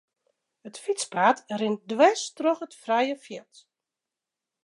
It fytspaad rint dwers troch it frije fjild.